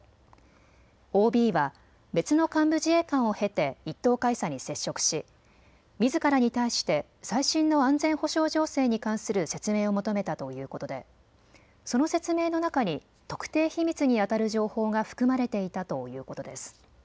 ＯＢは別の幹部自衛官を経て１等海佐に接触しみずからに対して最新の安全保障情勢に関する説明を求めたということでその説明の中に特定秘密にあたる情報が含まれていたということです。